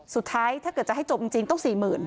ถ้าเกิดจะให้จบจริงต้อง๔๐๐๐